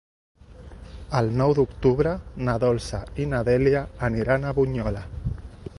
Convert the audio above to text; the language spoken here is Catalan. El nou d'octubre na Dolça i na Dèlia aniran a Bunyola.